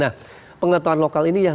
nah pengetahuan lokal ini yang